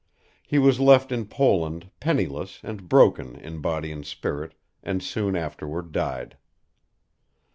He was left in Poland penniless and broken in body and spirit, and soon afterward died.